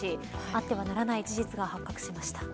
あってはならない事実が発覚しました。